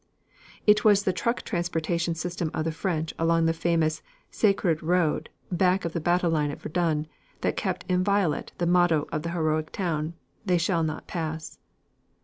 It was the truck transportation system of the French along the famous "Sacred Road" back of the battle line at Verdun that kept inviolate the motto of the heroic town, "They Shall Not Pass."